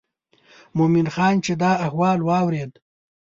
مومن خان چې دا احوال واورېد.